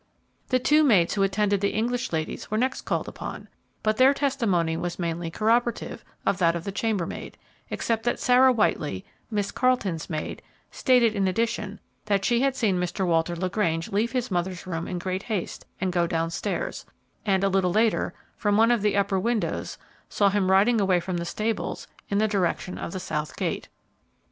The two maids who attended the English ladies were next called upon; but their testimony was mainly corroborative of that given by the chambermaid, except that Sarah Whitely, Miss Carleton's maid, stated, in addition, that she had seen Mr. Walter LaGrange leave his mother's room in great haste and go down stairs, and a little later, from one of the upper windows, saw him riding away from the stables in the direction of the south gate.